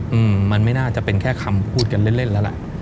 อืมมันไม่น่าจะเป็นแค่คำพูดกันเล่นเล่นแล้วล่ะ